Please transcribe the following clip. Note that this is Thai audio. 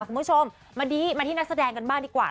คุณผู้ชมมาดีมาที่นักแสดงกันบ้างดีกว่า